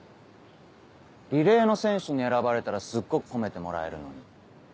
リレーの選手に選ばれたらすっごく褒めてもらえるのに。